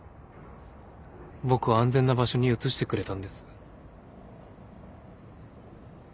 僕を安全な場所に移してくれたんです。